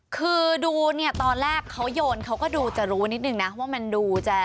คือดูเนี่ยตอนแรกเขาโยนเขาก็ดูจะรู้นิดนึงนะว่ามันดูจะ